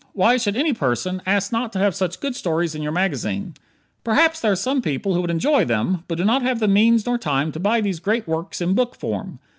Why should any person ask not to have such good stories in your magazine? Perhaps there are some people who would enjoy them, but do not have the means nor time to buy these great works in book form.